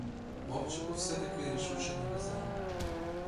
Вовчику все-таки рішуче не везе.